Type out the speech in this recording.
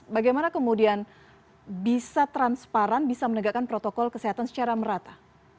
bagaimana kemudian bisa transparan bisa menegakkan protokol kesehatan secara merata